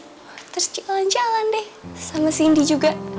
kamu terus jalan jalan deh sama sindi juga